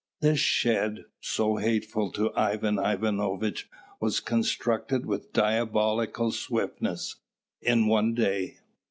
This shed, so hateful to Ivan Ivanovitch, was constructed with diabolical swiftness in one day.